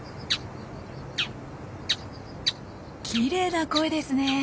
きれいな声ですね。